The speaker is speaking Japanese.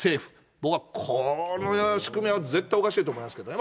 僕はこの仕組みは絶対おかしいと思いますけどね。